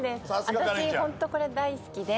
私ホントこれ大好きで。